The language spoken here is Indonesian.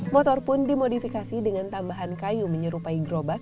motor pun dimodifikasi dengan tambahan kayu menyerupai gerobak